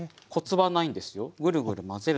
はい。